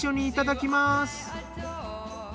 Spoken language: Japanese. いただきます！